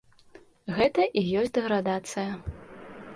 Гэта і ёсць дэградацыя.